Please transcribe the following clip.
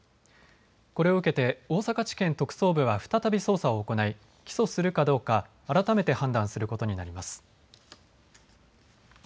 これを受けて大阪地検特捜部は再び捜査を行い起訴するかどうか改めて判断することになります。